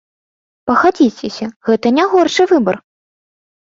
Пагадзіцеся, гэта не горшы выбар!